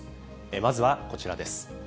まずはこちらです。